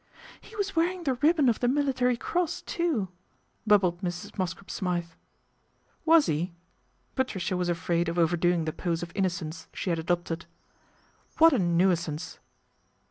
" He was wearing the ribbon of the Military Cross, too," bubbled Mrs. Mosscrop Smythe. " Was he ?" Patricia was afraid of overdoing the pose of innocence she had adopted. " What a nuisance.